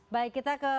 baik kita ke